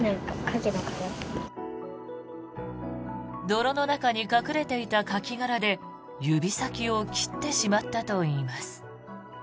泥の中に隠れていたカキ殻で指先を切ってしまったといいます。